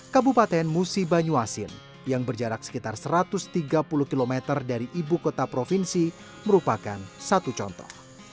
kabupaten musi banyuasin yang berjarak sekitar satu ratus tiga puluh km dari ibu kota provinsi merupakan satu contoh